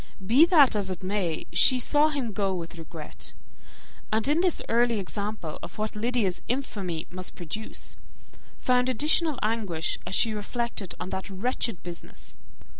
Be that as it may, she saw him go with regret; and in this early example of what Lydia's infamy must produce, found additional anguish as she reflected on that wretched business.